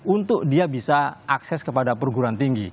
untuk dia bisa akses kepada perguruan tinggi